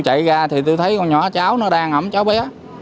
chạy ra thì tôi thấy con nhỏ cháu nó đang ẩm cháu bé